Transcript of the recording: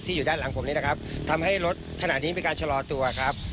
อยู่ด้านหลังผมนี่นะครับทำให้รถขณะนี้มีการชะลอตัวครับ